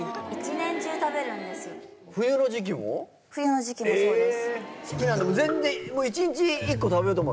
冬の時期もそうです。